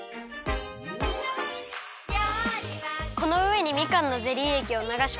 このうえにみかんのゼリーえきをながしこむんだよね？